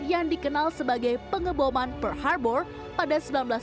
yang dikenal sebagai pengeboman pearl harbor pada seribu sembilan ratus empat puluh satu